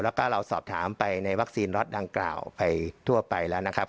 แล้วก็เราสอบถามไปในวัคซีนล็อตดังกล่าวไปทั่วไปแล้วนะครับ